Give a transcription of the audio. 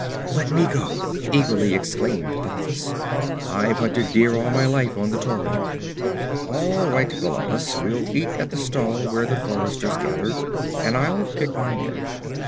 'Let me go!' eagerly exclaimed Balthus. 'I've hunted deer all my life on the Tauran.' 'All right. Valannus, we'll eat at the stall where the foresters gather, and I'll pick my men.